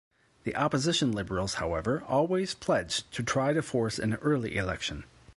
The opposition Liberals however always pledged to try to force an early election.